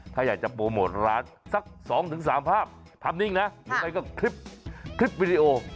ถ้าอยากจะโปรโมทร้านสัก๒๓ภาพทำนิ่งนะหรือไม่ก็คลิปวิดีโอ